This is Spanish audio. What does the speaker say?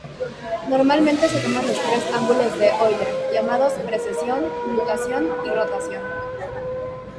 Normalmente se toman los tres ángulos de Euler, llamados precesión, nutación y rotación.